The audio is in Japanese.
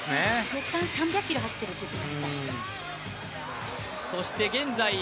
月間３００ｋｍ走っているって言ってました。